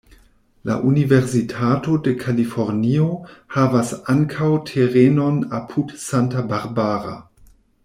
La Universitato de Kalifornio havas ankaŭ terenon apud Santa Barbara.